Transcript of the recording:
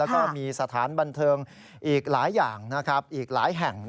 แล้วก็มีสถานบันเทิงอีกหลายอย่างอีกหลายแห่ง